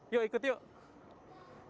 yuk ikut yuk